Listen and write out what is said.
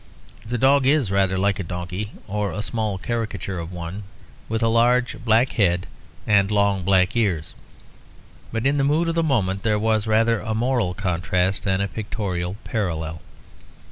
The dog is rather like a donkey, or a small caricature of one, with a large black head and long black ears; but in the mood of the moment there was rather a moral contrast than a pictorial parallel.